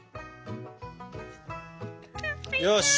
よし！